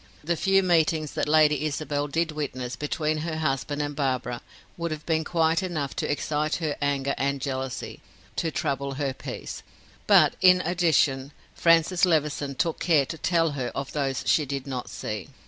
The few meetings that Lady Isabel did witness between her husband and Barbara would have been quite enough to excite her anger and jealousy, to trouble her peace; but, in addition, Francis Levison took care to tell her of those she did not see.